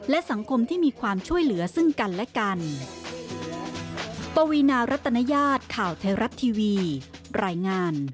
และสังคมที่มีความช่วยเหลือซึ่งกันและกัน